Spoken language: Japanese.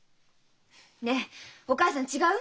ねえお母さん違う？